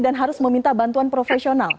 dan harus meminta bantuan profesional